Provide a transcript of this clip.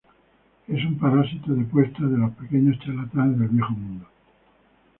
Es un parásito de puesta de los pequeños charlatanes del Viejo Mundo.